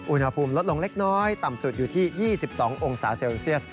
อุณหภูมิลดลงเล็กน้อยต่ำสุดอยู่ที่๒๒องศาเซลเซียส